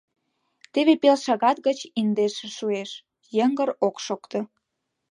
Теве пел шагат гыч индеше шуэш; йыҥгыр ок шокто.